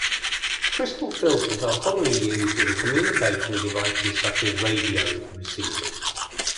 Crystal filters are commonly used in communication devices such as radio receivers.